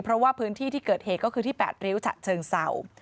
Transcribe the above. เพราะว่าพื้นที่ที่เกิดเหตุก็คือที่๘ริ้วฉะเชิงเศร้า